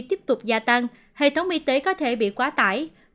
tiếp tục gia tăng hệ thống y tế có thể bị quá tải